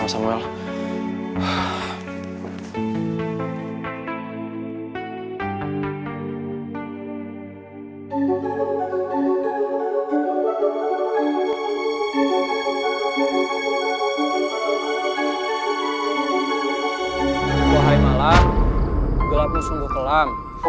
gue hari malam gelapmu sungguh kelam